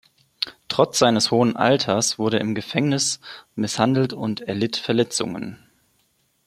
Trotz seines hohen Alters wurde im Gefängnis misshandelt und erlitt Verletzungen.